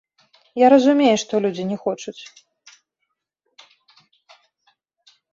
Я разумею, што людзі не хочуць.